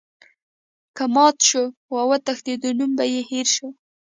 که مات شو او وتښتیدی نوم به یې هیر شو.